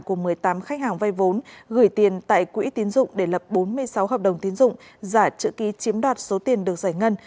của một mươi tám khách hàng vay vốn gửi tiền tại quỹ tiến dụng để lập bốn mươi sáu hợp đồng tiến dụng giả trữ ký chiếm đoạt số tiền được giải ngân